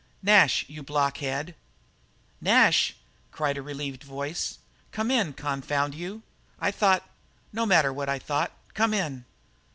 "Nash, you blockhead!" "Nash!" cried a relieved voice, "come in; confound you. I thought no matter what I thought. Come in!"